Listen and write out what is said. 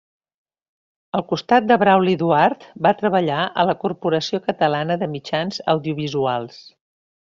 Al costat de Brauli Duart va treballar a la Corporació Catalana de Mitjans Audiovisuals.